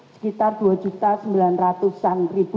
sekitar rp dua sembilan ratus an